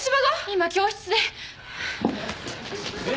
今教室で。